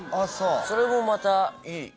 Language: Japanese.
それもまたいい。